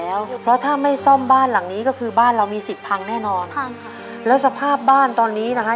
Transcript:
แล้วเพราะถ้าไม่ซ่อมบ้านหลังนี้ก็คือบ้านเรามีสิทธิ์พังแน่นอนค่ะแล้วสภาพบ้านตอนนี้นะฮะ